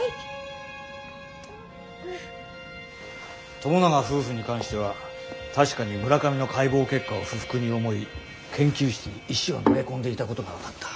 友永夫婦に関しては確かに村上の解剖結果を不服に思い研究室に石を投げ込んでいたことが分かった。